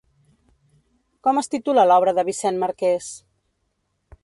Com es titula l'obra de Vicent Marqués?